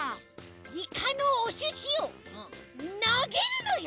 いかのおすしをなげるのよ！